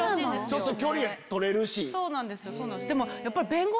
ちょっと距離取れるし。